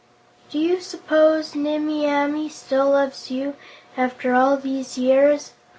"Do you s'pose Nimmie Amee still loves you, after all these years?"